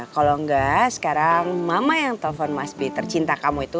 kalo engga sekarang mama yang telepon mas be tercinta kamu itu